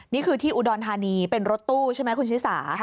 นี่คือที่อุดรธานีเป็นรถตู้ใช่ไหมคุณชิสา